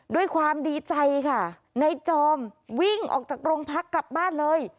ด้วยความดีใจค่ะในจอมวิ่งออกจากโรงพักกลับบ้านเลย